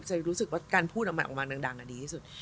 รู้สึกว่าการพูดออกมาดังดีที่สุด